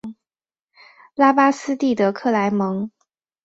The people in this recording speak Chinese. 拉巴斯蒂德克莱蒙。